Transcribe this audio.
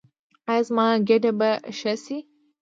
ایا زما ګیډه به ښه شي؟